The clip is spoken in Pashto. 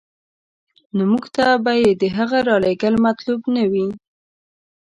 نو موږ ته به د هغه رالېږل مطلوب نه وي.